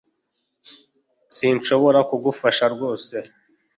Sinshobora kugufasha rwose